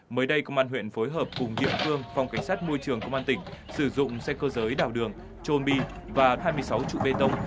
mới đây công an huyện phối hợp cùng địa phương phòng cảnh sát môi trường công an tỉnh sử dụng xe cơ giới đào đường trôn bi và hai mươi sáu trụ bê tông